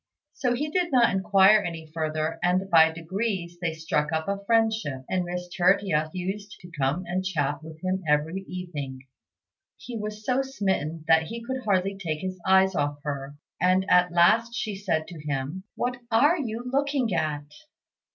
So he did not inquire any further; and by degrees they struck up a friendship, and Miss Tertia used to come and chat with him every evening. He was so smitten that he could hardly take his eyes off her, and at last she said to him, "What are you looking at?"